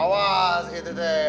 awas gitu tante